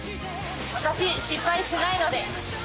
わたし失敗しないので。